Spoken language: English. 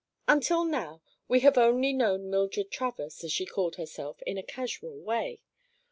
Until now we have only known Mildred Travers, as she called herself, in a casual way.